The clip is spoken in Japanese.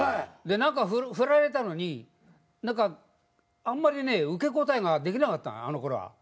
何か振られたのに何かあんまりね受け答えができなかったのあのころは。